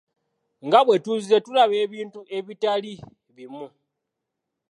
Nga bwe tuzze tulaba ebintu ebitali bimu.